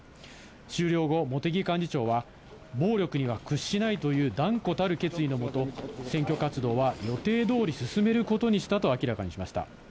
終了後、茂木幹事長は、暴力には屈しないという断固たる決意の下、選挙活動は予定どおり進めることにしたと明らかにしました。